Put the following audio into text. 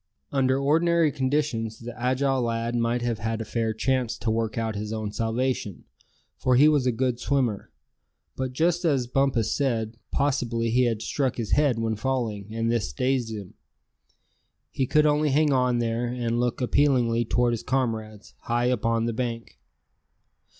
Under ordinary conditions the agile lad might have had a fair chance to work out his own salvation, for he was a good swimmer; but just as Bumpus said, possibly he had struck his head when falling, and this dazed him. He could only hang on there, and look appealingly toward his comrades, high up on the bank.